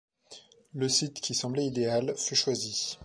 Le site, qui semblait idéal, fut choisi.